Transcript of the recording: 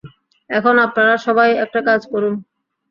এখন আপনারা সবাই একটা কাজ করুন।